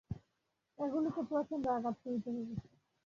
এগুলিকে প্রচণ্ড আঘাত করিতে হইবে।